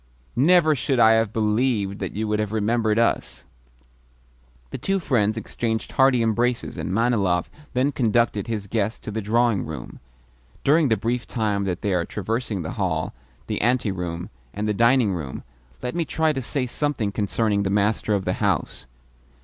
"Never should I have believed that you would have remembered us!" The two friends exchanged hearty embraces, and Manilov then conducted his guest to the drawing room. During the brief time that they are traversing the hall, the anteroom, and the dining room, let me try to say something concerning the master of the house.